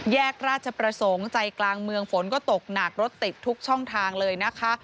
แยกราชประสงค์ใจกลางเมืองฝนก็ตกหนักรถติดทุกช่องทางเลยนะคะ